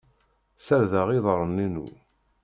Serdeɣ iḍaren-inu.